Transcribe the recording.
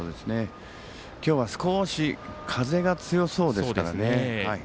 今日は少し風が強そうですからね。